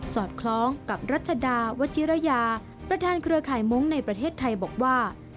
อดคล้องกับรัชดาวัชิรยาประธานเครือข่ายมงค์ในประเทศไทยบอกว่า